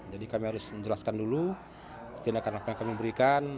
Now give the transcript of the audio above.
jadi kami harus menjelaskan dulu tindakan apa yang kami berikan